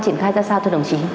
triển khai ra sao thưa đồng chí